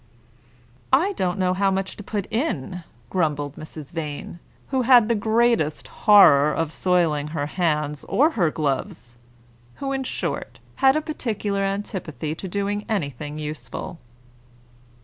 "I don't know how much to put in," grumbled Mrs. Vane, who had the greatest horror of soiling her hands or her gloves; who, in short, had a particular antipathy to doing anything useful.